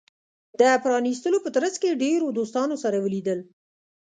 د پرانېستلو په ترڅ کې ډیرو دوستانو سره ولیدل.